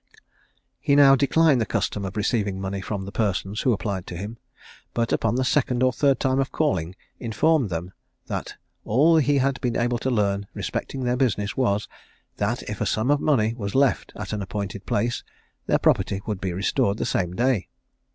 He now declined the custom of receiving money from the persons who applied to him; but, upon the second or third time of calling, informed them that all he had been able to learn respecting their business was, that if a sum of money was left at an appointed place, their property would be restored the same day.